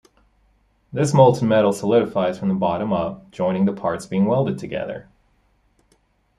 This molten metal solidifies from the bottom up, joining the parts being welded together.